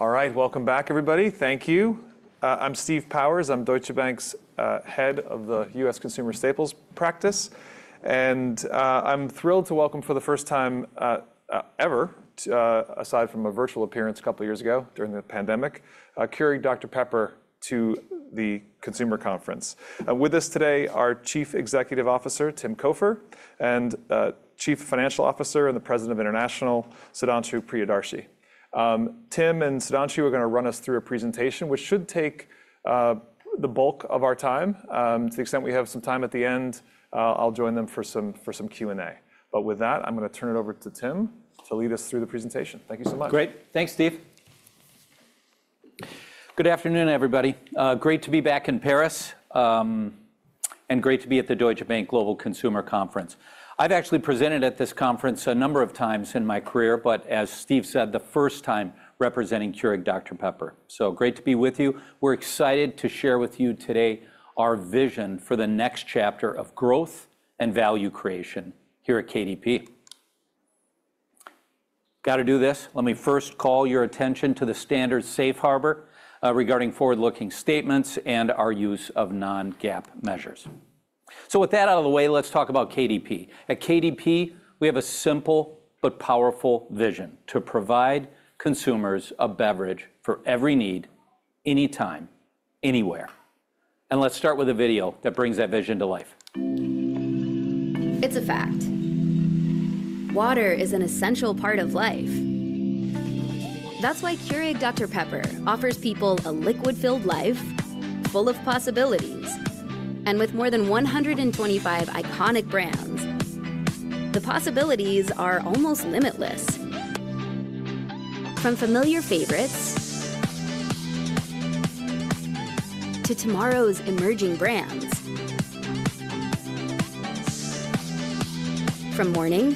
All right, welcome back, everybody. Thank you. I'm Steve Powers. I'm Deutsche Bank's head of the U.S. Consumer Staples Practice, and I'm thrilled to welcome for the first time ever, aside from a virtual appearance a couple years ago during the pandemic, Keurig Dr Pepper to the Consumer Conference. And with us today, our Chief Executive Officer, Tim Cofer, and Chief Financial Officer and the President of International, Sudhanshu Priyadarshi. Tim and Sudhanshu are gonna run us through a presentation, which should take the bulk of our time. To the extent we have some time at the end, I'll join them for some Q&A. But with that, I'm gonna turn it over to Tim to lead us through the presentation. Thank you so much. Great. Thanks, Steve. Good afternoon, everybody. Great to be back in Paris, and great to be at the Deutsche Bank Global Consumer Conference. I've actually presented at this conference a number of times in my career, but as Steve said, the first time representing Keurig Dr Pepper. So great to be with you. We're excited to share with you today our vision for the next chapter of growth and value creation here at KDP. Got to do this. Let me first call your attention to the standard safe harbor regarding forward-looking statements and our use of non-GAAP measures. So with that out of the way, let's talk about KDP. At KDP, we have a simple but powerful vision: to provide consumers a beverage for every need, anytime, anywhere. And let's start with a video that brings that vision to life. It's a fact, water is an essential part of life. That's why Keurig Dr Pepper offers people a liquid-fueled life full of possibilities. And with more than 125 iconic brands, the possibilities are almost limitless. From familiar favorites... to tomorrow's emerging brands. From morning...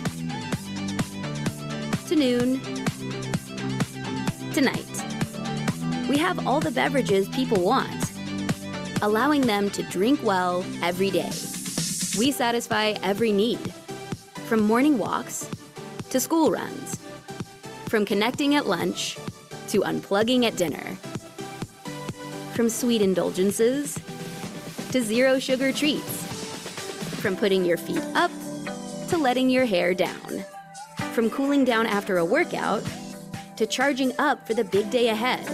to noon... to night. We have all the beverages people want, allowing them to drink well every day. We satisfy every need, from morning walks to school runs, from connecting at lunch to unplugging at dinner, from sweet indulgences to zero sugar treats, from putting your feet up to letting your hair down, from cooling down after a workout to charging up for the big day ahead.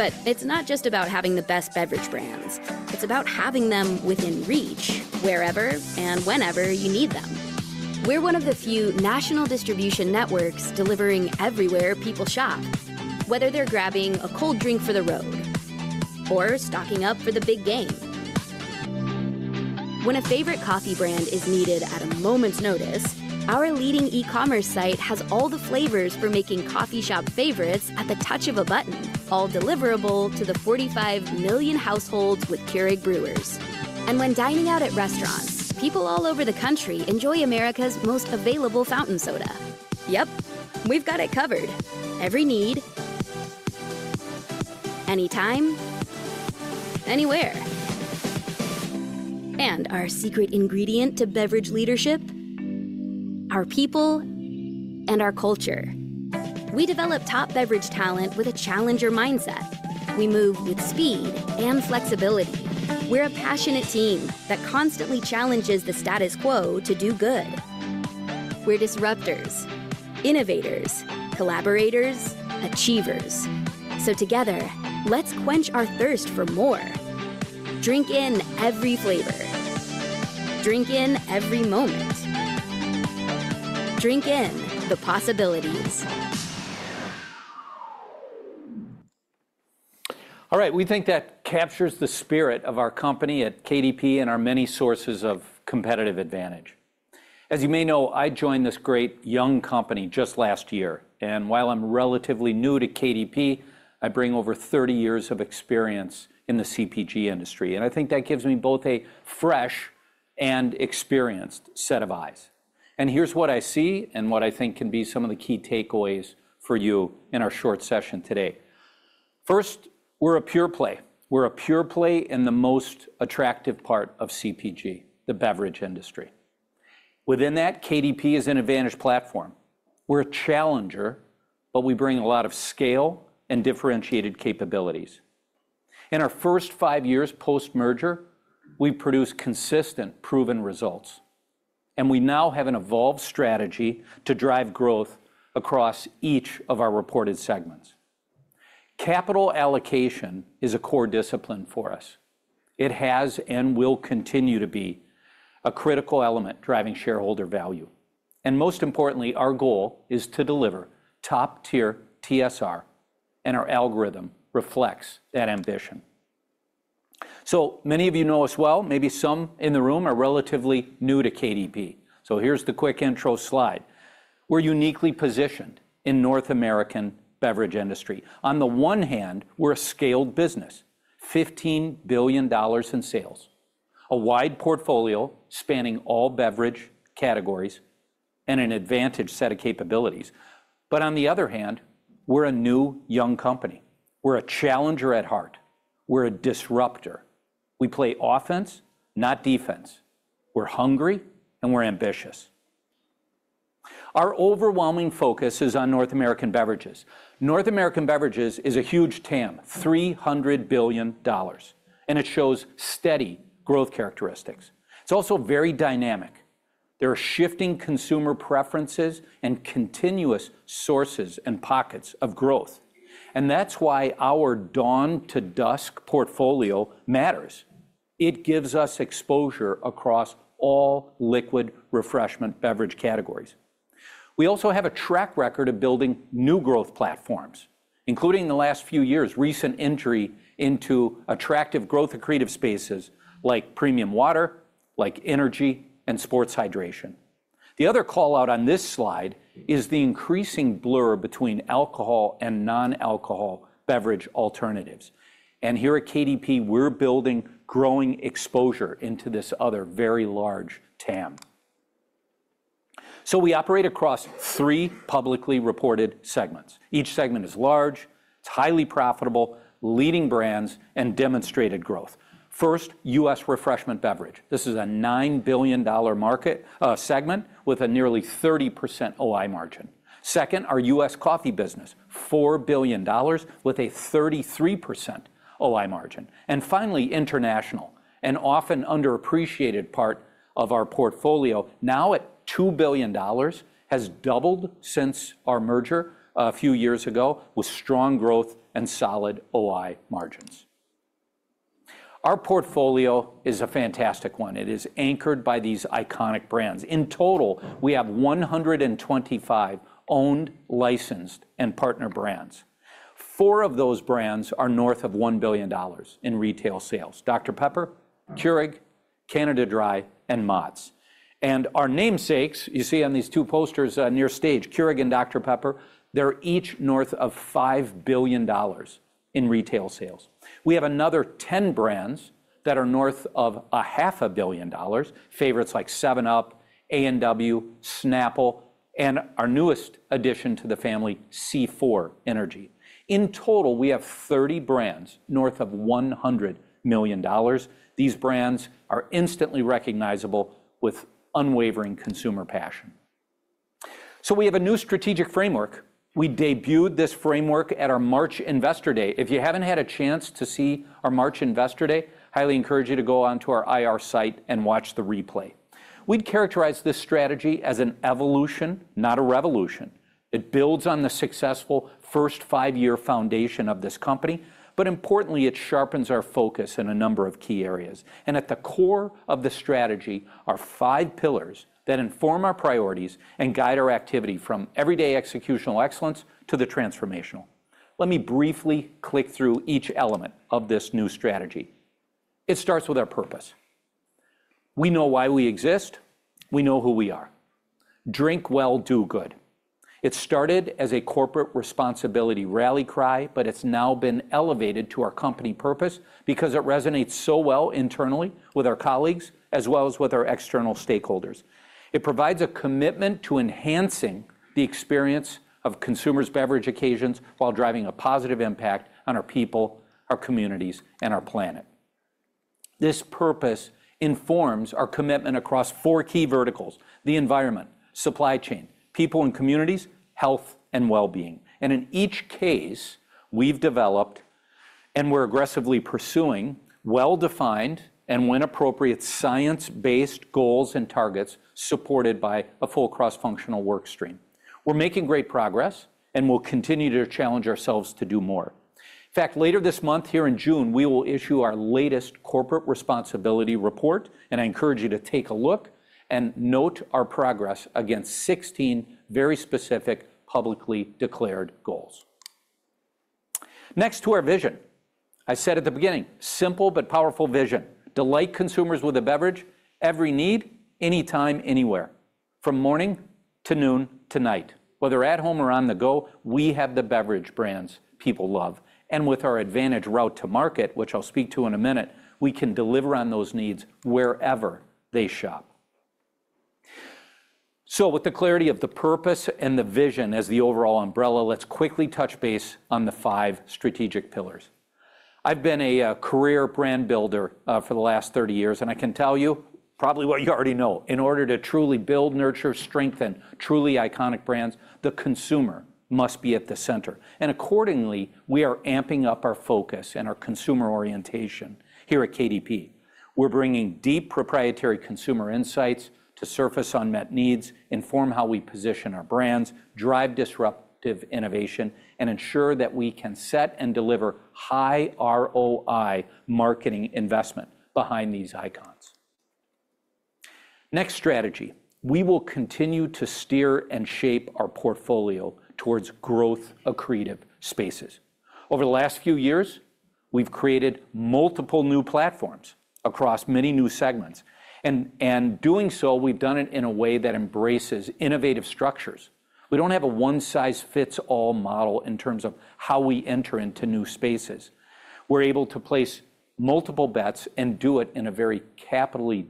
But it's not just about having the best beverage brands, it's about having them within reach, wherever and whenever you need them. We're one of the few national distribution networks delivering everywhere people shop, whether they're grabbing a cold drink for the road or stocking up for the big game. When a favorite coffee brand is needed at a moment's notice, our leading e-commerce site has all the flavors for making coffee shop favorites at the touch of a button, all deliverable to the 45 million households with Keurig brewers. And when dining out at restaurants, people all over the country enjoy America's most available fountain soda. Yep, we've got it covered. Every need, anytime, anywhere. And our secret ingredient to beverage leadership? Our people and our culture. We develop top beverage talent with a challenger mindset. We move with speed and flexibility. We're a passionate team that constantly challenges the status quo to do good. We're disruptors, innovators, collaborators, achievers. So together, let's quench our thirst for more. Drink in every flavor. Drink in every moment. Drink in the possibilities. All right, we think that captures the spirit of our company at KDP and our many sources of competitive advantage. As you may know, I joined this great young company just last year, and while I'm relatively new to KDP, I bring over 30 years of experience in the CPG industry, and I think that gives me both a fresh and experienced set of eyes. Here's what I see and what I think can be some of the key takeaways for you in our short session today. First, we're a pure play. We're a pure play in the most attractive part of CPG, the beverage industry. Within that, KDP is an advantaged platform. We're a challenger, but we bring a lot of scale and differentiated capabilities. In our first five years post-merger, we've produced consistent, proven results, and we now have an evolved strategy to drive growth across each of our reported segments. Capital allocation is a core discipline for us. It has and will continue to be a critical element driving shareholder value. And most importantly, our goal is to deliver top-tier TSR, and our algorithm reflects that ambition. So many of you know us well. Maybe some in the room are relatively new to KDP. So here's the quick intro slide. We're uniquely positioned in North American beverage industry. On the one hand, we're a scaled business, $15 billion in sales, a wide portfolio spanning all beverage categories, and an advantaged set of capabilities. But on the other hand, we're a new, young company. We're a challenger at heart. We're a disruptor. We play offense, not defense. We're hungry, and we're ambitious.... Our overwhelming focus is on North American beverages. North American beverages is a huge TAM, $300 billion, and it shows steady growth characteristics. It's also very dynamic. There are shifting consumer preferences and continuous sources and pockets of growth, and that's why our dawn-to-dusk portfolio matters. It gives us exposure across all liquid refreshment beverage categories. We also have a track record of building new growth platforms, including in the last few years, recent entry into attractive, growth accretive spaces like premium water, like energy, and sports hydration. The other call-out on this slide is the increasing blur between alcohol and non-alcohol beverage alternatives. Here at KDP, we're building growing exposure into this other very large TAM. We operate across three publicly reported segments. Each segment is large, it's highly profitable, leading brands, and demonstrated growth. First, U.S. Refreshment Beverage. This is a $9 billion market, segment, with a nearly 30% OI margin. Second, our U.S. Coffee business, $4 billion with a 33% OI margin. And finally, International, an often underappreciated part of our portfolio, now at $2 billion, has doubled since our merger a few years ago, with strong growth and solid OI margins. Our portfolio is a fantastic one. It is anchored by these iconic brands. In total, we have 125 owned, licensed, and partner brands. Four of those brands are north of $1 billion in retail sales: Dr Pepper, Keurig, Canada Dry, and Mott's. And our namesakes, you see on these two posters, near stage, Keurig and Dr Pepper, they're each north of $5 billion in retail sales. We have another 10 brands that are north of $500 million, favorites like 7UP, A&W, Snapple, and our newest addition to the family, C4 Energy. In total, we have 30 brands north of $100 million. These brands are instantly recognizable with unwavering consumer passion. We have a new strategic framework. We debuted this framework at our March Investor Day. If you haven't had a chance to see our March Investor Day, highly encourage you to go onto our IR site and watch the replay. We'd characterize this strategy as an evolution, not a revolution. It builds on the successful first five-year foundation of this company, but importantly, it sharpens our focus in a number of key areas. At the core of the strategy are five pillars that inform our priorities and guide our activity from everyday executional excellence to the transformational. Let me briefly click through each element of this new strategy. It starts with our purpose. We know why we exist. We know who we are. "Drink Well. Do Good." It started as a corporate responsibility rally cry, but it's now been elevated to our company purpose because it resonates so well internally with our colleagues, as well as with our external stakeholders. It provides a commitment to enhancing the experience of consumers' beverage occasions while driving a positive impact on our people, our communities, and our planet. This purpose informs our commitment across four key verticals: the environment, supply chain, people and communities, health and wellbeing. And in each case, we've developed and we're aggressively pursuing well-defined, and when appropriate, science-based goals and targets supported by a full cross-functional work stream. We're making great progress, and we'll continue to challenge ourselves to do more. In fact, later this month, here in June, we will issue our latest corporate responsibility report, and I encourage you to take a look and note our progress against 16 very specific, publicly declared goals. Next to our vision, I said at the beginning, simple but powerful vision: delight consumers with a beverage every need, anytime, anywhere, from morning to noon to night. Whether at home or on the go, we have the beverage brands people love, and with our advantaged route to market, which I'll speak to in a minute, we can deliver on those needs wherever they shop. So with the clarity of the purpose and the vision as the overall umbrella, let's quickly touch base on the five strategic pillars. I've been a career brand builder for the last 30 years, and I can tell you probably what you already know. In order to truly build, nurture, strengthen truly iconic brands, the consumer must be at the center, and accordingly, we are amping up our focus and our consumer orientation here at KDP. We're bringing deep proprietary consumer insights to surface unmet needs, inform how we position our brands, drive disruptive innovation, and ensure that we can set and deliver high ROI marketing investment behind these icons. Next strategy, we will continue to steer and shape our portfolio towards growth accretive spaces. Over the last few years, we've created multiple new platforms across many new segments, and, and doing so, we've done it in a way that embraces innovative structures. We don't have a one-size-fits-all model in terms of how we enter into new spaces. We're able to place multiple bets and do it in a very capitally,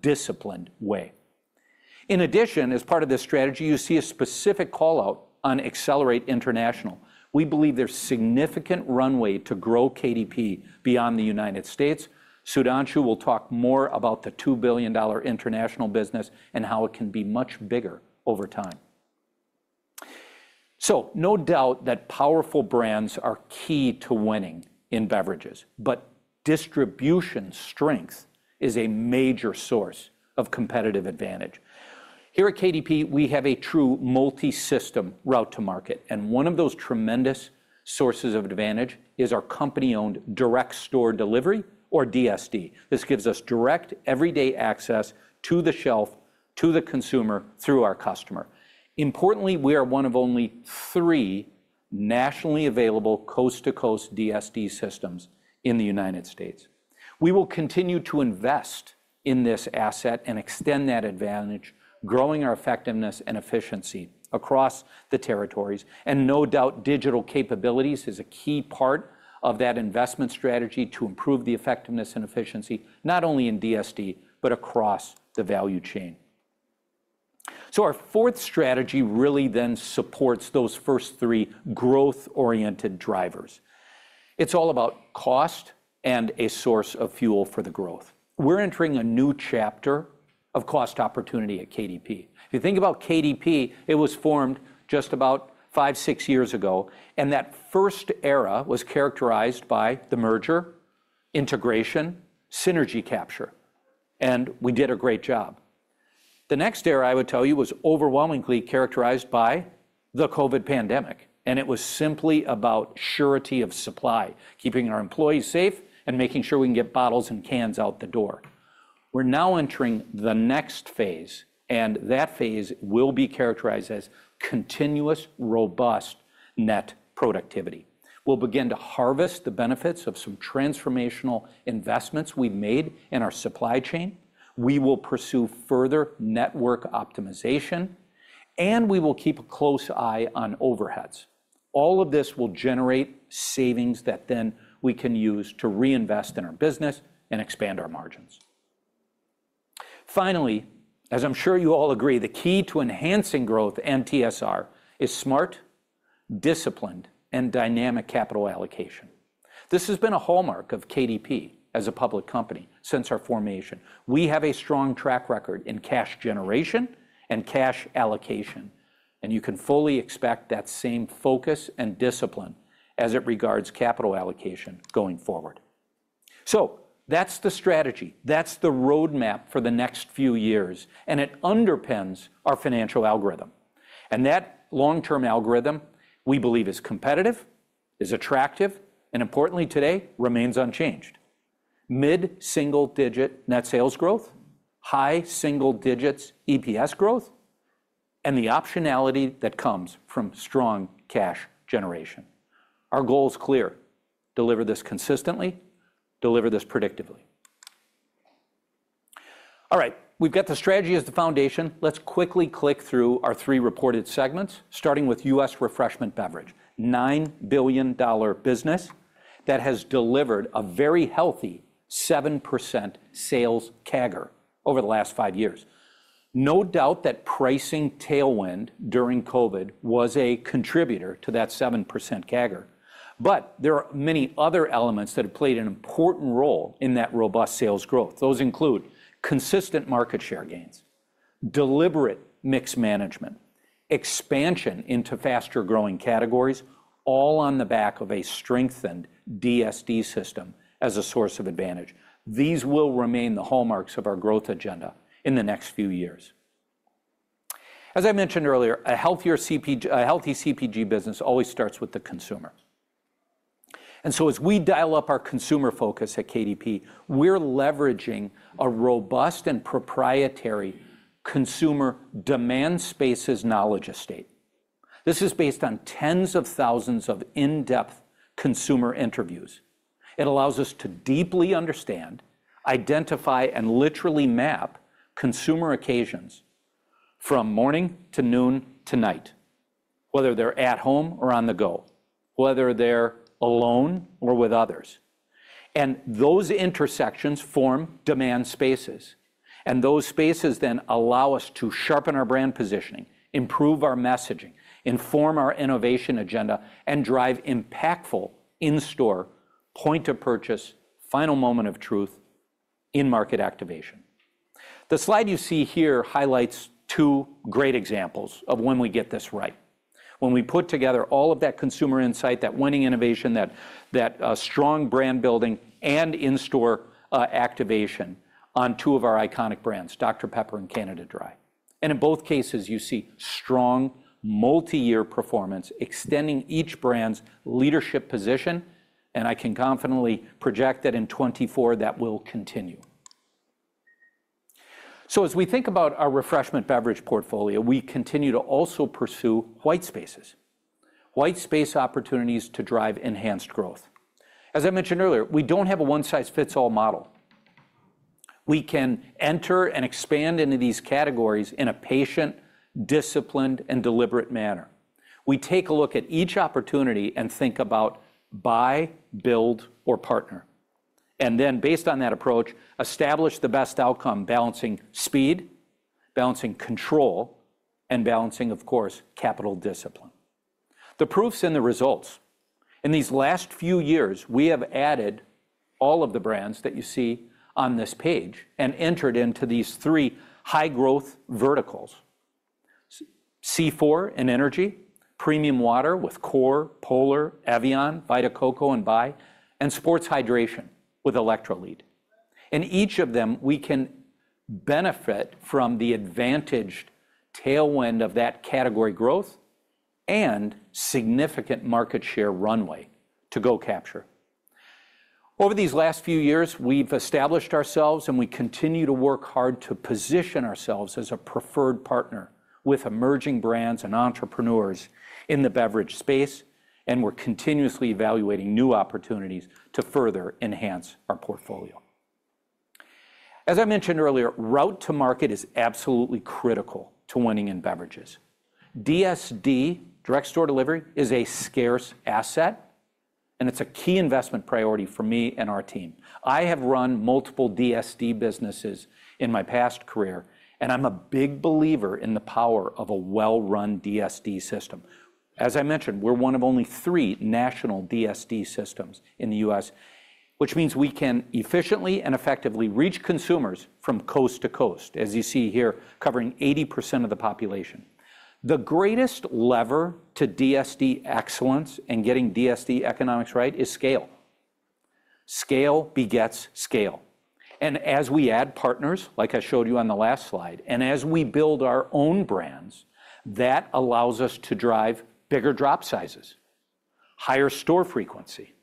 disciplined way. In addition, as part of this strategy, you see a specific call-out on Accelerate International. We believe there's significant runway to grow KDP beyond the United States. Sudhanshu will talk more about the $2 billion International business and how it can be much bigger over time. So, no doubt that powerful brands are key to winning in beverages, but distribution strength is a major source of competitive advantage. Here at KDP, we have a true multi-system route to market, and one of those tremendous sources of advantage is our company-owned direct store delivery, or DSD. This gives us direct, everyday access to the shelf, to the consumer, through our customer. Importantly, we are one of only three nationally available coast-to-coast DSD systems in the United States. We will continue to invest in this asset and extend that advantage, growing our effectiveness and efficiency across the territories. And no doubt, digital capabilities is a key part of that investment strategy to improve the effectiveness and efficiency, not only in DSD, but across the value chain. So our fourth strategy really then supports those first three growth-oriented drivers. It's all about cost and a source of fuel for the growth. We're entering a new chapter of cost opportunity at KDP. If you think about KDP, it was formed just about five, six years ago, and that first era was characterized by the merger, integration, synergy capture, and we did a great job. The next era, I would tell you, was overwhelmingly characterized by the COVID pandemic, and it was simply about surety of supply, keeping our employees safe, and making sure we can get bottles and cans out the door. We're now entering the next phase, and that phase will be characterized as continuous, robust net productivity. We'll begin to harvest the benefits of some transformational investments we've made in our supply chain. We will pursue further network optimization, and we will keep a close eye on overheads. All of this will generate savings that then we can use to reinvest in our business and expand our margins. Finally, as I'm sure you all agree, the key to enhancing growth and TSR is smart, disciplined, and dynamic capital allocation. This has been a hallmark of KDP as a public company since our formation. We have a strong track record in cash generation and cash allocation, and you can fully expect that same focus and discipline as it regards capital allocation going forward. That's the strategy. That's the roadmap for the next few years, and it underpins our financial algorithm. That long-term algorithm, we believe, is competitive, is attractive, and importantly, today, remains unchanged. Mid-single-digit net sales growth, high single digits EPS growth, and the optionality that comes from strong cash generation. Our goal is clear: deliver this consistently, deliver this predictively. All right, we've got the strategy as the foundation. Let's quickly click through our three reported segments, starting with U.S. Refreshment Beverage, $9 billion business that has delivered a very healthy 7% sales CAGR over the last five years. No doubt that pricing tailwind during COVID was a contributor to that 7% CAGR, but there are many other elements that have played an important role in that robust sales growth. Those include consistent market share gains, deliberate mix management, expansion into faster-growing categories, all on the back of a strengthened DSD system as a source of advantage. These will remain the hallmarks of our growth agenda in the next few years. As I mentioned earlier, a healthy CPG business always starts with the consumer. And so as we dial up our consumer focus at KDP, we're leveraging a robust and proprietary consumer demand spaces knowledge estate. This is based on tens of thousands of in-depth consumer interviews. It allows us to deeply understand, identify, and literally map consumer occasions from morning to noon to night, whether they're at home or on the go, whether they're alone or with others. And those intersections form demand spaces, and those spaces then allow us to sharpen our brand positioning, improve our messaging, inform our innovation agenda, and drive impactful in-store, point-of-purchase, final moment of truth in market activation. The slide you see here highlights two great examples of when we get this right, when we put together all of that consumer insight, that strong brand building and in-store activation on two of our iconic brands, Dr Pepper and Canada Dry. In both cases, you see strong, multi-year performance extending each brand's leadership position, and I can confidently project that in 2024, that will continue. As we think about our refreshment beverage portfolio, we continue to also pursue white spaces, white space opportunities to drive enhanced growth. As I mentioned earlier, we don't have a one-size-fits-all model. We can enter and expand into these categories in a patient, disciplined, and deliberate manner. We take a look at each opportunity and think about buy, build, or partner, and then based on that approach, establish the best outcome, balancing speed, balancing control, and balancing, of course, capital discipline. The proof's in the results.... In these last few years, we have added all of the brands that you see on this page and entered into these three high-growth verticals: C4 and energy, premium water with CORE, Polar, Evian, Vita Coco, and Bai, and sports hydration with Electrolit. In each of them, we can benefit from the advantaged tailwind of that category growth and significant market share runway to go capture. Over these last few years, we've established ourselves, and we continue to work hard to position ourselves as a preferred partner with emerging brands and entrepreneurs in the beverage space, and we're continuously evaluating new opportunities to further enhance our portfolio. As I mentioned earlier, route to market is absolutely critical to winning in beverages. DSD, direct store delivery, is a scarce asset, and it's a key investment priority for me and our team. I have run multiple DSD businesses in my past career, and I'm a big believer in the power of a well-run DSD system. As I mentioned, we're one of only three national DSD systems in the U.S., which means we can efficiently and effectively reach consumers from coast to coast, as you see here, covering 80% of the population. The greatest lever to DSD excellence and getting DSD economics right is scale. Scale begets scale. And as we add partners, like I showed you on the last slide, and as we build our own brands, that allows us to drive bigger drop sizes, higher store frequency,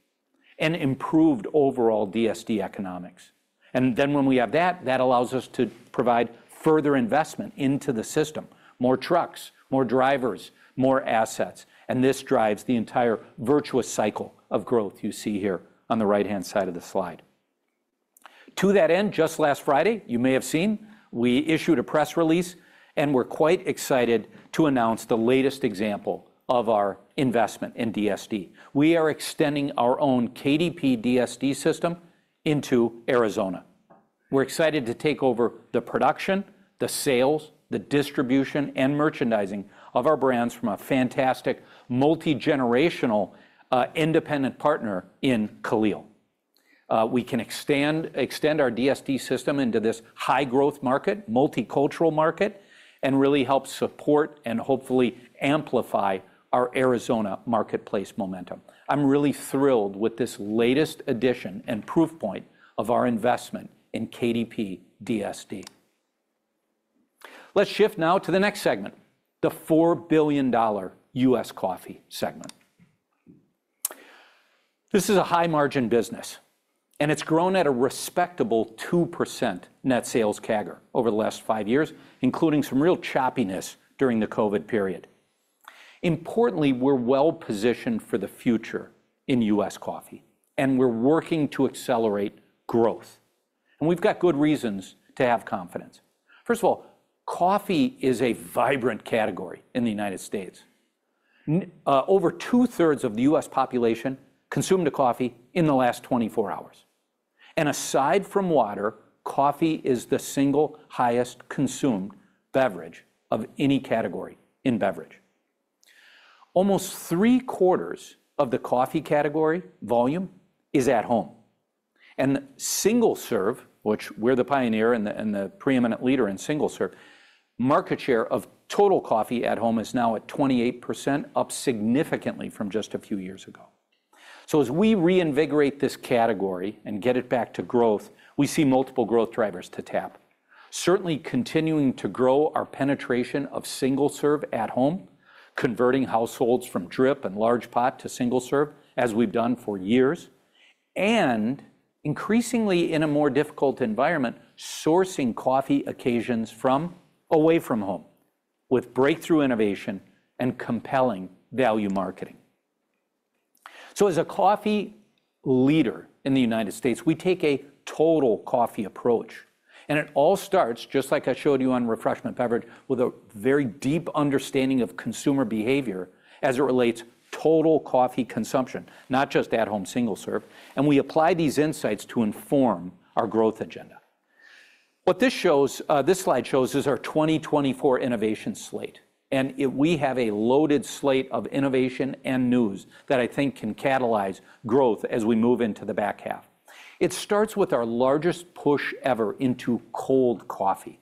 and improved overall DSD economics. And then when we have that, that allows us to provide further investment into the system, more trucks, more drivers, more assets, and this drives the entire virtuous cycle of growth you see here on the right-hand side of the slide. To that end, just last Friday, you may have seen, we issued a press release, and we're quite excited to announce the latest example of our investment in DSD. We are extending our own KDP DSD system into Arizona. We're excited to take over the production, the sales, the distribution, and merchandising of our brands from a fantastic, multi-generational, independent partner in Kalil. We can extend our DSD system into this high-growth market, multicultural market, and really help support and hopefully amplify our Arizona marketplace momentum. I'm really thrilled with this latest addition and proof point of our investment in KDP DSD. Let's shift now to the next segment, the $4 billion U.S. Coffee segment. This is a high-margin business, and it's grown at a respectable 2% net sales CAGR over the last five years, including some real choppiness during the COVID period. Importantly, we're well-positioned for the future in U.S. Coffee, and we're working to accelerate growth, and we've got good reasons to have confidence. First of all, coffee is a vibrant category in the United States. Over 2/3 of the U.S. population consumed a coffee in the last 24 hours. Aside from water, coffee is the single highest consumed beverage of any category in beverage. Almost three-quarters of the coffee category volume is at home, and single-serve, which we're the pioneer and the preeminent leader in single-serve, market share of total coffee at home is now at 28%, up significantly from just a few years ago. So as we reinvigorate this category and get it back to growth, we see multiple growth drivers to tap. Certainly continuing to grow our penetration of single-serve at home, converting households from drip and large pot to single-serve, as we've done for years, and increasingly in a more difficult environment, sourcing coffee occasions from away from home, with breakthrough innovation and compelling value marketing. So as a coffee leader in the United States, we take a total coffee approach, and it all starts, just like I showed you on refreshment beverage, with a very deep understanding of consumer behavior as it relates total coffee consumption, not just at-home single-serve, and we apply these insights to inform our growth agenda. What this shows, this slide shows is our 2024 innovation slate, and we have a loaded slate of innovation and news that I think can catalyze growth as we move into the back half. It starts with our largest push ever into cold coffee.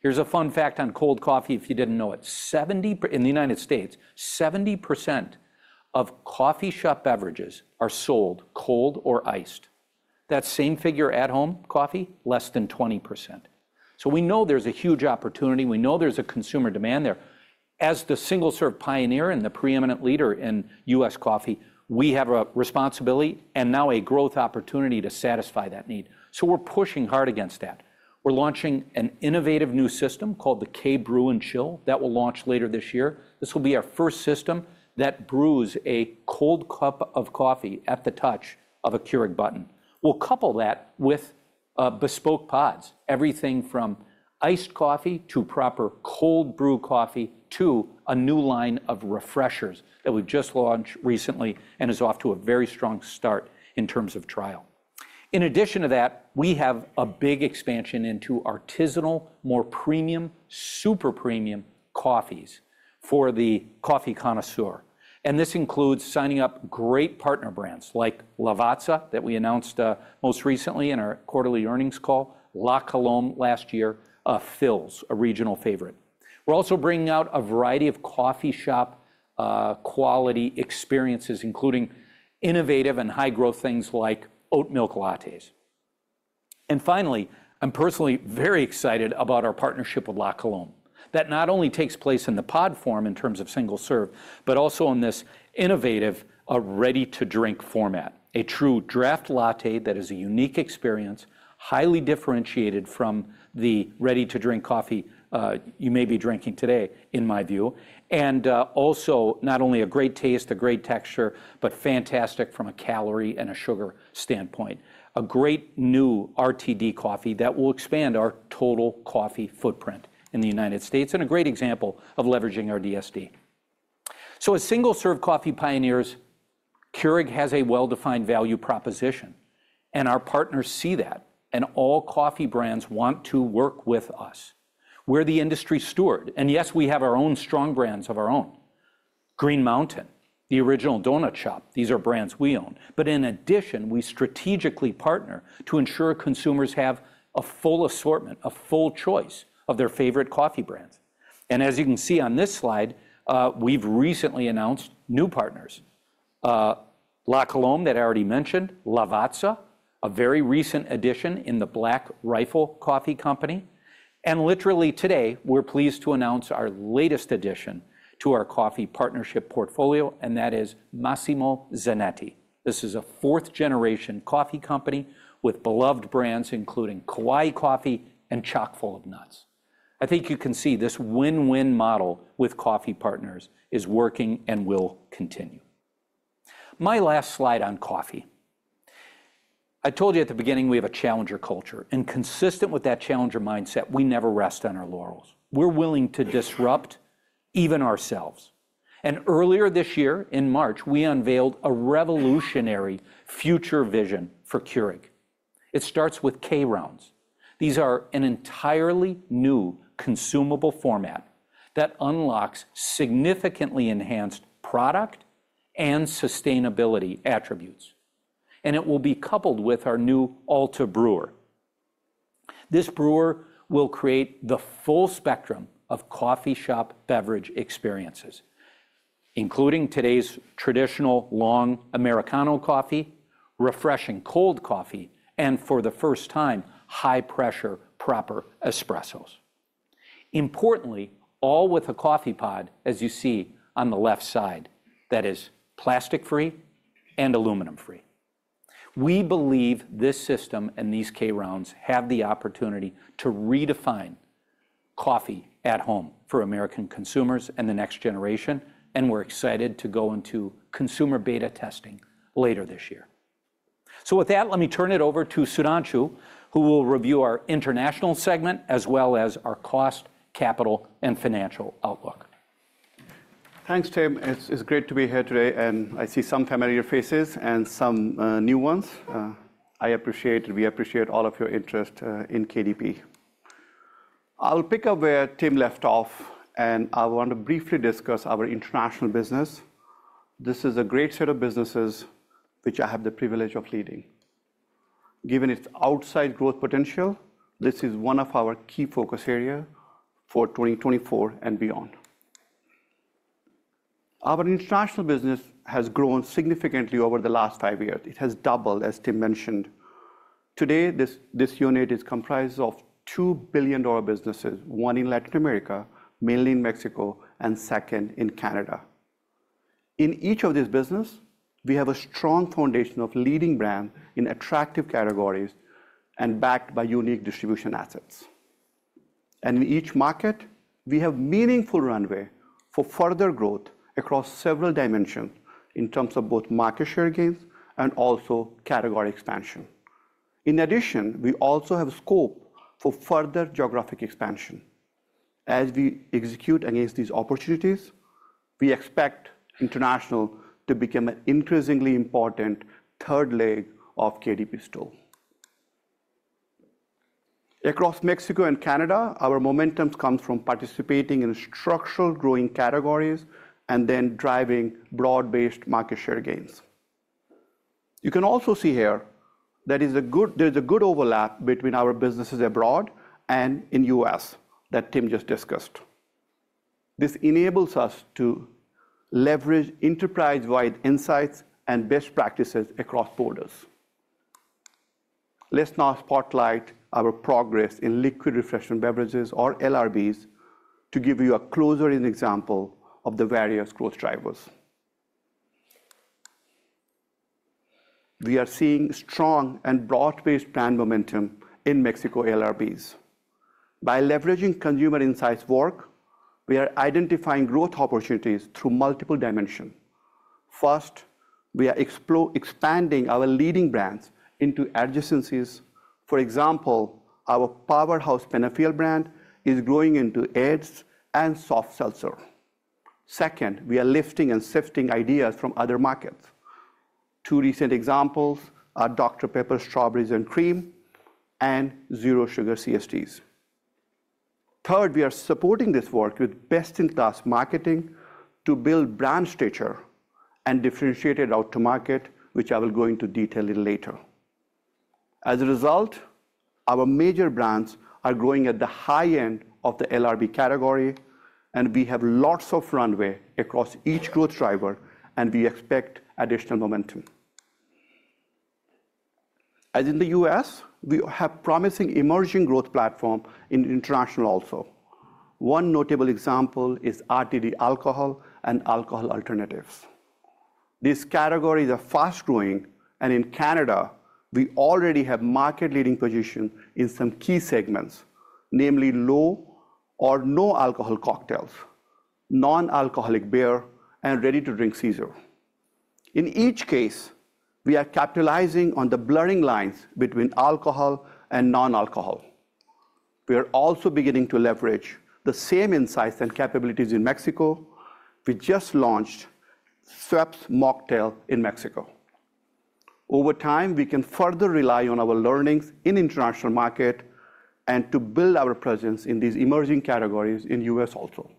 Here's a fun fact on cold coffee if you didn't know it: In the United States, 70% of coffee shop beverages are sold cold or iced. That same figure at-home coffee, less than 20%. So we know there's a huge opportunity. We know there's a consumer demand there. As the single-serve pioneer and the preeminent leader in U.S. Coffee, we have a responsibility and now a growth opportunity to satisfy that need. So we're pushing hard against that. We're launching an innovative new system called the K-Brew+Chill that will launch later this year. This will be our first system that brews a cold cup of coffee at the touch of a Keurig button. We'll couple that with bespoke pods, everything from iced coffee to proper cold brew coffee to a new line of refreshers that we've just launched recently and is off to a very strong start in terms of trial. In addition to that, we have a big expansion into artisanal, more premium, super premium coffees for the coffee connoisseur. And this includes signing up great partner brands like Lavazza, that we announced most recently in our quarterly earnings call, La Colombe last year, Philz, a regional favorite. We're also bringing out a variety of coffee shop quality experiences, including innovative and high-growth things like oat milk lattes. And finally, I'm personally very excited about our partnership with La Colombe. That not only takes place in the pod form in terms of single serve, but also in this innovative ready-to-drink format. A true Draft Latte that is a unique experience, highly differentiated from the ready-to-drink coffee you may be drinking today, in my view. And also not only a great taste, a great texture, but fantastic from a calorie and a sugar standpoint. A great new RTD coffee that will expand our total coffee footprint in the United States, and a great example of leveraging our DSD. So as single-serve coffee pioneers, Keurig has a well-defined value proposition, and our partners see that, and all coffee brands want to work with us. We're the industry steward, and yes, we have our own strong brands of our own. Green Mountain, The Original Donut Shop, these are brands we own. But in addition, we strategically partner to ensure consumers have a full assortment, a full choice of their favorite coffee brands. And as you can see on this slide, we've recently announced new partners. La Colombe, that I already mentioned, Lavazza, a very recent addition in the Black Rifle Coffee Company. And literally today, we're pleased to announce our latest addition to our coffee partnership portfolio, and that is Massimo Zanetti. This is a fourth-generation coffee company with beloved brands, including Kauai Coffee and Chock full o'Nuts. I think you can see this win-win model with coffee partners is working and will continue. My last slide on coffee. I told you at the beginning, we have a challenger culture, and consistent with that challenger mindset, we never rest on our laurels. We're willing to disrupt even ourselves. Earlier this year, in March, we unveiled a revolutionary future vision for Keurig. It starts with K-Rounds. These are an entirely new consumable format that unlocks significantly enhanced product and sustainability attributes, and it will be coupled with our new Alta brewer. This brewer will create the full spectrum of coffee shop beverage experiences, including today's traditional long Americano coffee, refreshing cold coffee, and for the first time, high-pressure, proper espressos. Importantly, all with a coffee pod, as you see on the left side, that is plastic-free and aluminum-free. We believe this system and these K-Rounds have the opportunity to redefine coffee at home for American consumers and the next generation, and we're excited to go into consumer beta testing later this year. So with that, let me turn it over to Sudhanshu, who will review our International segment, as well as our cost, capital, and financial outlook. Thanks, Tim. It's great to be here today, and I see some familiar faces and some new ones. I appreciate, we appreciate all of your interest in KDP. I'll pick up where Tim left off, and I want to briefly discuss our International business. This is a great set of businesses which I have the privilege of leading. Given its outside growth potential, this is one of our key focus area for 2024 and beyond. Our International business has grown significantly over the last five years. It has doubled, as Tim mentioned. Today, this unit is comprised of two billion-dollar businesses, one in Latin America, mainly in Mexico, and second in Canada. In each of these business, we have a strong foundation of leading brand in attractive categories and backed by unique distribution assets. In each market, we have meaningful runway for further growth across several dimensions, in terms of both market share gains and also category expansion. In addition, we also have scope for further geographic expansion. As we execute against these opportunities, we expect International to become an increasingly important third leg of KDP's story. Across Mexico and Canada, our momentum comes from participating in structurally growing categories and then driving broad-based market share gains. You can also see here there is a good overlap between our businesses abroad and in U.S. that Tim just discussed. This enables us to leverage enterprise-wide insights and best practices across borders. Let's now spotlight our progress in liquid refreshment beverages, or LRBs, to give you a closer-in example of the various growth drivers. We are seeing strong and broad-based brand momentum in Mexico LRBs. By leveraging consumer insights work, we are identifying growth opportunities through multiple dimension. First, we are expanding our leading brands into adjacencies. For example, our powerhouse Peñafiel brand is growing into Adas and salt seltzer.... Second, we are lifting and sifting ideas from other markets. Two recent examples are Dr Pepper Strawberries & Cream, and Zero Sugar CSDs. Third, we are supporting this work with best-in-class marketing to build brand stature and differentiate it out to market, which I will go into detail a little later. As a result, our major brands are growing at the high end of the LRB category, and we have lots of runway across each growth driver, and we expect additional momentum. As in the U.S., we have promising emerging growth platform in International also. One notable example is RTD alcohol and alcohol alternatives. These categories are fast-growing, and in Canada, we already have market-leading position in some key segments, namely low or no alcohol cocktails, non-alcoholic beer, and ready-to-drink Caesar. In each case, we are capitalizing on the blurring lines between alcohol and non-alcohol. We are also beginning to leverage the same insights and capabilities in Mexico. We just launched Schweppes Mocktail in Mexico. Over time, we can further rely on our learnings in International market and to build our presence in these emerging categories in U.S. also.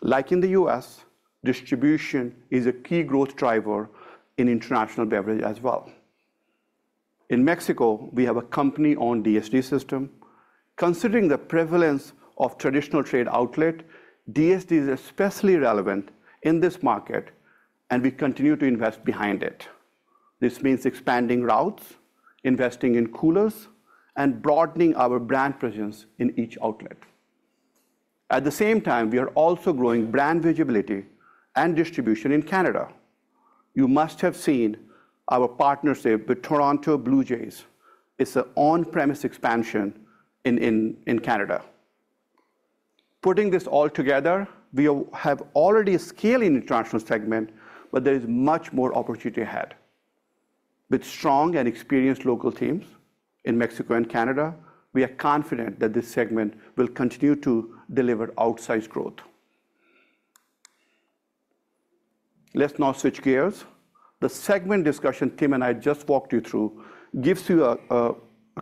Like in the U.S., distribution is a key growth driver in International beverage as well. In Mexico, we have a company-owned DSD system. Considering the prevalence of traditional trade outlet, DSD is especially relevant in this market, and we continue to invest behind it. This means expanding routes, investing in coolers, and broadening our brand presence in each outlet. At the same time, we are also growing brand visibility and distribution in Canada. You must have seen our partnership with Toronto Blue Jays. It's an on-premise expansion in Canada. Putting this all together, we have already scaled in the International segment, but there is much more opportunity ahead. With strong and experienced local teams in Mexico and Canada, we are confident that this segment will continue to deliver outsized growth. Let's now switch gears. The segment discussion Tim and I just walked you through gives you a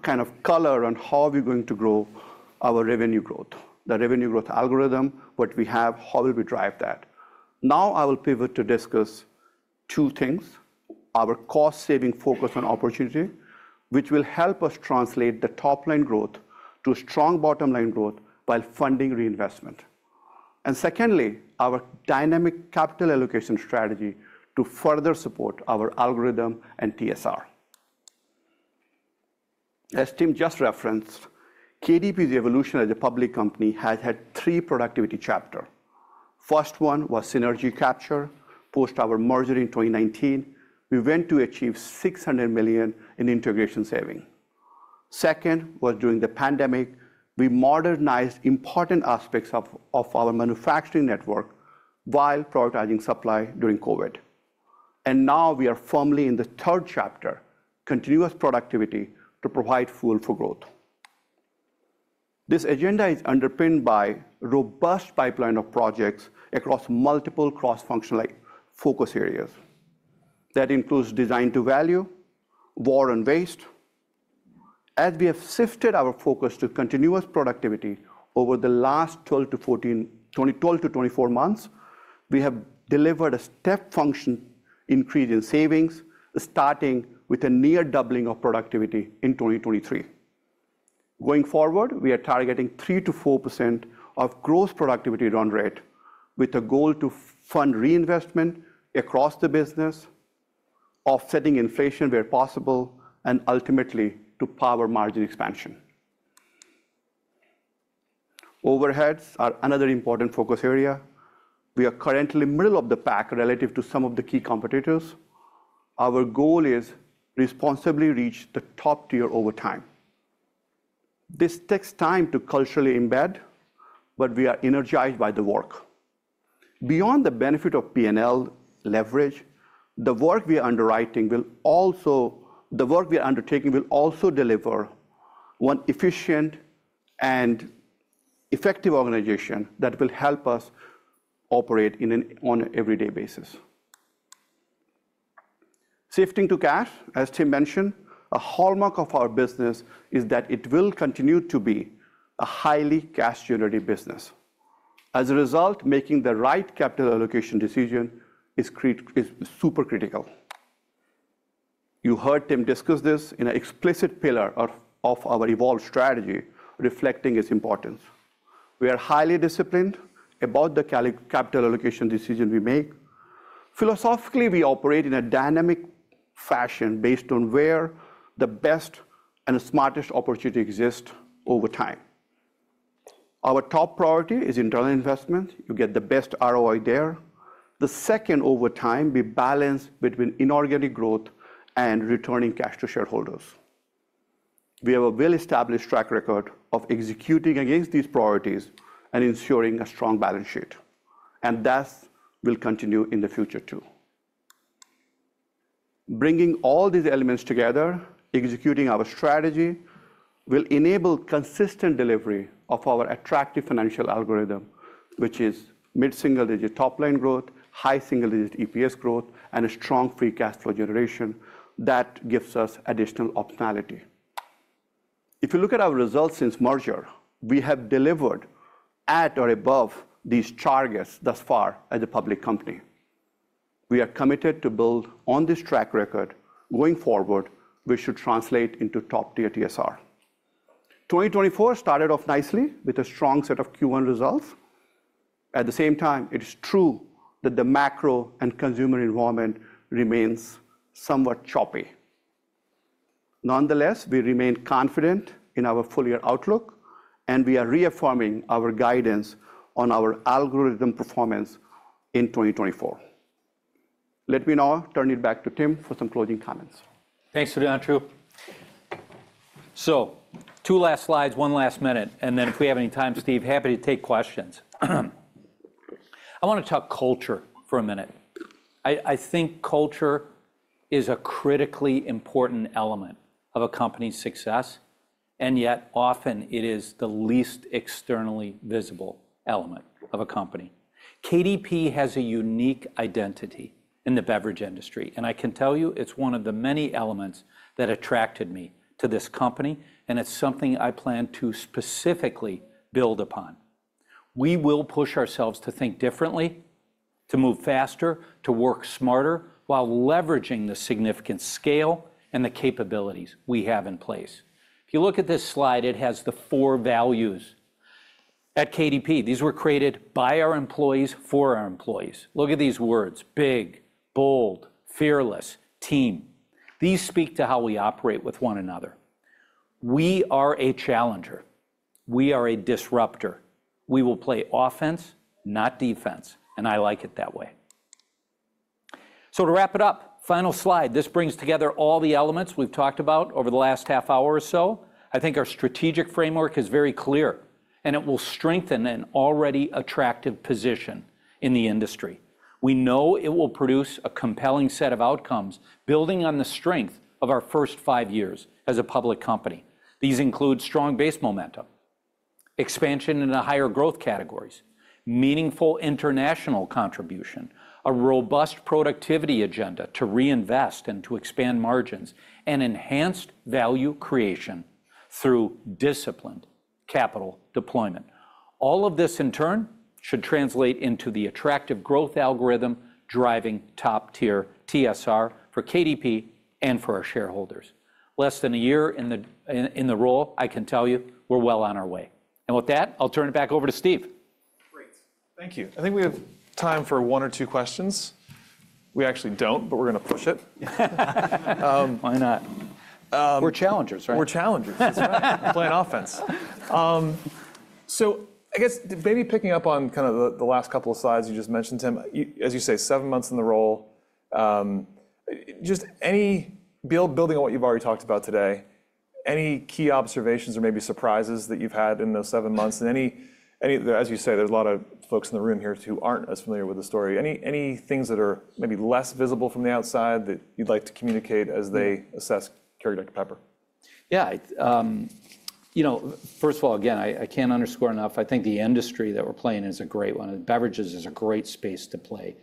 kind of color on how we're going to grow our revenue growth. The revenue growth algorithm, what we have, how will we drive that? Now, I will pivot to discuss two things: Our cost-saving focus on opportunity, which will help us translate the top-line growth to strong bottom-line growth while funding reinvestment. And secondly, our dynamic capital allocation strategy to further support our algorithm and TSR. As Tim just referenced, KDP's evolution as a public company has had three productivity chapters. First one was synergy capture. Post our merger in 2019, we went to achieve $600 million in integration savings. Second, was during the pandemic, we modernized important aspects of our manufacturing network while prioritizing supply during COVID. And now we are firmly in the third chapter, continuous productivity, to provide fuel for growth. This agenda is underpinned by robust pipeline of projects across multiple cross-functional focus areas. That includes Design to Value, War on Waste. As we have shifted our focus to continuous productivity over the last 12 to 14... 12 to 24 months, we have delivered a step function increase in savings, starting with a near doubling of productivity in 2023. Going forward, we are targeting 3%-4% of gross productivity run rate, with a goal to fund reinvestment across the business, offsetting inflation where possible, and ultimately, to power margin expansion. Overheads are another important focus area. We are currently middle of the pack relative to some of the key competitors. Our goal is responsibly reach the top tier over time. This takes time to culturally embed, but we are energized by the work. Beyond the benefit of P&L leverage, the work we are undertaking will also deliver one efficient and effective organization that will help us operate on an everyday basis. Shifting to cash, as Tim mentioned, a hallmark of our business is that it will continue to be a highly cash generative business. As a result, making the right capital allocation decision is super critical. You heard Tim discuss this in an explicit pillar of our evolved strategy, reflecting its importance. We are highly disciplined about the capital allocation decision we make. Philosophically, we operate in a dynamic fashion based on where the best and smartest opportunity exist over time. Our top priority is internal investment. You get the best ROI there. The second, over time, we balance between inorganic growth and returning cash to shareholders. We have a well-established track record of executing against these priorities and ensuring a strong balance sheet, and that will continue in the future, too. Bringing all these elements together, executing our strategy, will enable consistent delivery of our attractive financial algorithm, which is mid-single-digit top line growth, high single-digit EPS growth, and a strong free cash flow generation that gives us additional optionality. If you look at our results since merger, we have delivered at or above these targets thus far as a public company. We are committed to build on this track record. Going forward, we should translate into top-tier TSR. 2024 started off nicely with a strong set of Q1 results. At the same time, it is true that the macro and consumer environment remains somewhat choppy. Nonetheless, we remain confident in our full-year outlook, and we are reaffirming our guidance on our algorithm performance in 2024. Let me now turn it back to Tim for some closing comments. Thanks, Sudhanshu. So two last slides, one last minute, and then if we have any time, Steve, happy to take questions. I wanna talk culture for a minute. I think culture is a critically important element of a company's success, and yet often it is the least externally visible element of a company. KDP has a unique identity in the beverage industry, and I can tell you, it's one of the many elements that attracted me to this company, and it's something I plan to specifically build upon. We will push ourselves to think differently, to move faster, to work smarter, while leveraging the significant scale and the capabilities we have in place. If you look at this slide, it has the four values. At KDP, these were created by our employees, for our employees. Look at these words, big, bold, fearless, team. These speak to how we operate with one another. We are a challenger. We are a disruptor. We will play offense, not defense, and I like it that way. So to wrap it up, final slide. This brings together all the elements we've talked about over the last half hour or so. I think our strategic framework is very clear, and it will strengthen an already attractive position in the industry. We know it will produce a compelling set of outcomes, building on the strength of our first five years as a public company. These include strong base momentum, expansion into higher growth categories, meaningful International contribution, a robust productivity agenda to reinvest and to expand margins, and enhanced value creation through disciplined capital deployment. All of this, in turn, should translate into the attractive growth algorithm driving top-tier TSR for KDP and for our shareholders. Less than a year in the role, I can tell you, we're well on our way. With that, I'll turn it back over to Steve. Great. Thank you. I think we have time for one or two questions. We actually don't, but we're gonna push it. Why not? We're challengers, right? We're challengers. We're playing offense. So I guess maybe picking up on kind of the last couple of slides you just mentioned, Tim. As you say, seven months in the role, just any building on what you've already talked about today, any key observations or maybe surprises that you've had in those seven months, and any, as you say, there's a lot of folks in the room here who aren't as familiar with the story. Any things that are maybe less visible from the outside that you'd like to communicate as they assess Keurig Dr Pepper? Yeah, you know, first of all, again, I can't underscore enough, I think the industry that we're playing in is a great one, and beverages is a great space to play.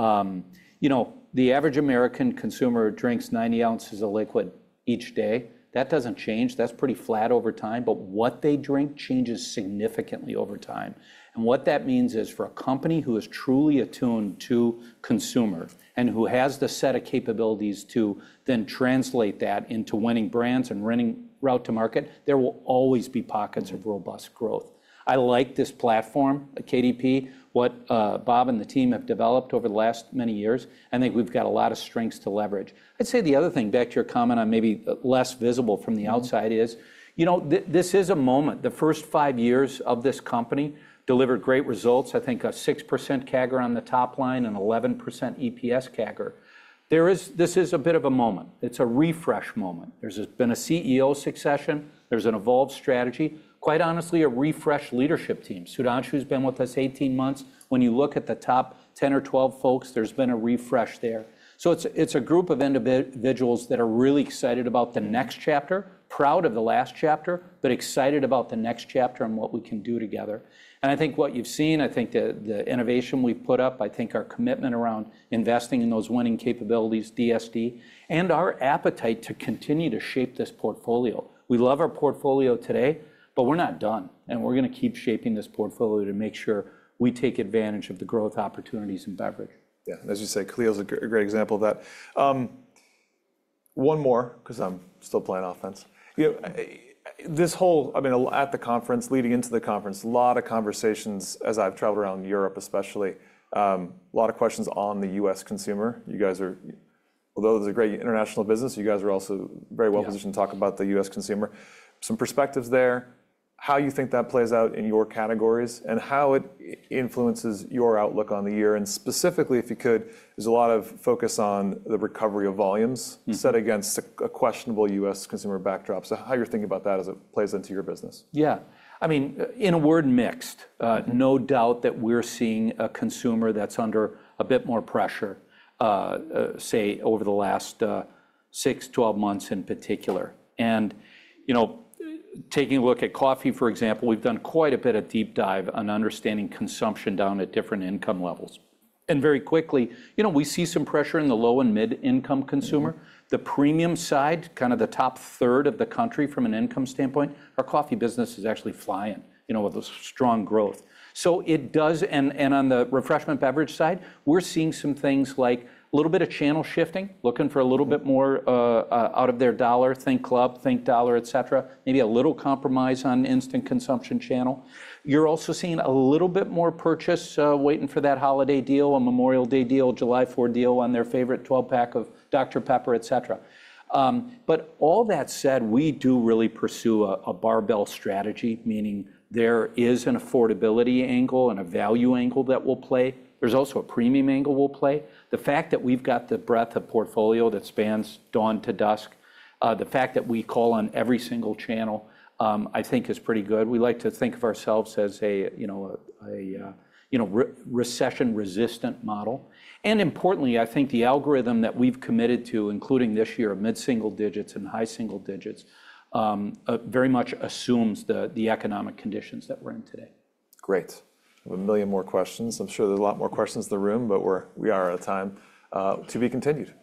You know, the average American consumer drinks 90 oz of liquid each day. That doesn't change. That's pretty flat over time, but what they drink changes significantly over time. And what that means is, for a company who is truly attuned to consumer and who has the set of capabilities to then translate that into winning brands and winning route to market, there will always be pockets of robust growth. I like this platform at KDP, what Bob and the team have developed over the last many years, and I think we've got a lot of strengths to leverage. I'd say the other thing, back to your comment on maybe less visible from the outside, is, you know, this is a moment. The first five years of this company delivered great results, I think a 6% CAGR on the top line and 11% EPS CAGR. There is. This is a bit of a moment. It's a refresh moment. There's been a CEO succession. There's an evolved strategy. Quite honestly, a refreshed leadership team. Sudhanshu's been with us 18 months. When you look at the top 10 or 12 folks, there's been a refresh there. So it's, it's a group of individuals that are really excited about the next chapter, proud of the last chapter, but excited about the next chapter and what we can do together. I think what you've seen, I think the innovation we've put up, I think our commitment around investing in those winning capabilities, DSD, and our appetite to continue to shape this portfolio. We love our portfolio today, but we're not done, and we're gonna keep shaping this portfolio to make sure we take advantage of the growth opportunities in beverage. Yeah. As you say, Keurig's a great example of that. One more, 'cause I'm still playing offense. You know, this whole... I mean, at the conference, leading into the conference, a lot of conversations as I've traveled around Europe, especially, a lot of questions on the U.S. consumer. You guys are. Although this is a great International business, you guys are also very well- Yeah... positioned to talk about the U.S. consumer. Some perspectives there, how you think that plays out in your categories, and how it influences your outlook on the year, and specifically, if you could, there's a lot of focus on the recovery of volumes- Mm-hmm. - set against a questionable U.S. consumer backdrop. So how you're thinking about that as it plays into your business? Yeah. I mean, in a word, mixed. No doubt that we're seeing a consumer that's under a bit more pressure, say, over the last six, 12 months in particular. And, you know, taking a look at coffee, for example, we've done quite a bit of deep dive on understanding consumption down at different income levels. And very quickly, you know, we see some pressure in the low- and mid-income consumer. The premium side, kind of the top third of the country from an income standpoint, our coffee business is actually flying, you know, with a strong growth. So it does. And on the refreshment beverage side, we're seeing some things like a little bit of channel shifting, looking for a little bit more-... out of their dollar. Think club, think dollar, et cetera. Maybe a little compromise on instant consumption channel. You're also seeing a little bit more purchase, waiting for that holiday deal, a Memorial Day deal, July 4th deal on their favorite 12-pack of Dr Pepper, et cetera. But all that said, we do really pursue a barbell strategy, meaning there is an affordability angle and a value angle that we'll play. There's also a premium angle we'll play. The fact that we've got the breadth of portfolio that spans dawn to dusk, the fact that we call on every single channel, I think is pretty good. We like to think of ourselves as a, you know, recession-resistant model. Importantly, I think the algorithm that we've committed to, including this year of mid-single digits and high single digits, very much assumes the economic conditions that we're in today. Great. I have a million more questions. I'm sure there's a lot more questions in the room, but we are out of time. To be continued.